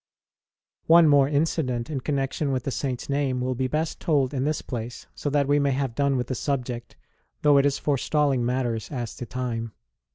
One more incident in connection with the Saint s name will be best told in this place, so that we may have done with the subject, though it is forestalling matters as to time.